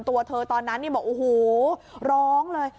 ตัวเธอตอนนั้นบอกโอ้โหร้องเลย